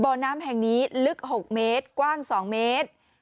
บ่อน้ำแห่งนี้ลึก๖เมตรกว้าง๒เมตร